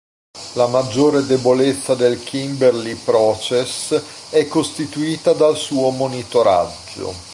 La maggiore debolezza del Kimberley Process è costituita dal suo monitoraggio...